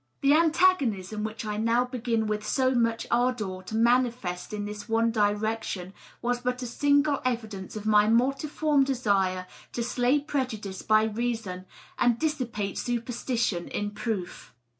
The antagonism which I now hegsui with so much ardor to manifest in this one direction was but a single evidence of my multiform desire to slay prejudice by reason and dissipate superstition in proof.